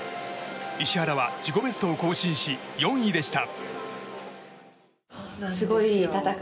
石原は自己ベストを更新し４位でした。